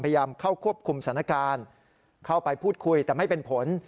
พยายามเข้าควบคุมสถานการณ์เข้าไปพูดคุยแต่ไม่เป็นผล